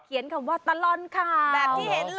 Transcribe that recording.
เขียนคำว่าตะลอนข่าว